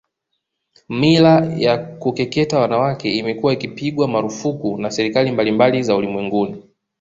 Mila ya kukeketa wanawake imekuwa ikipigwa marufuku na serikali mbalimbali za ulimwenguni